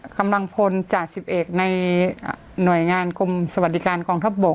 กำลังพลจ่าสิบเอกในหน่วยงานกรมสวัสดิการกองทัพบก